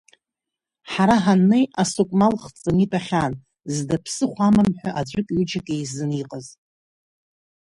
Ҳара ҳаннеи асыкәмал хҵаны итәахьан зда ԥсыхәа амам ҳәа аӡәык-ҩыџьак еизаны иҟаз.